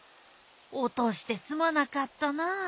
おとしてすまなかったな。